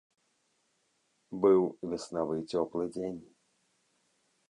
Быў веснавы цёплы дзень.